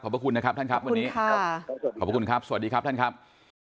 พระคุณนะครับท่านครับวันนี้ขอบพระคุณครับสวัสดีครับท่านครับ